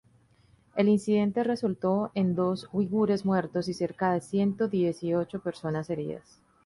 El incidente resultó en dos uigures muertos y cerca de ciento dieciocho personas heridas.